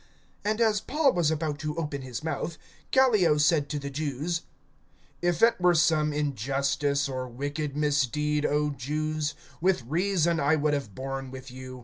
(14)And as Paul was about to open his mouth, Gallio said to the Jews: If it were some injustice, or wicked misdeed, O Jews, with reason I would have borne with you.